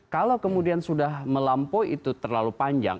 kalau kemudian sudah melampaui itu terlalu panjang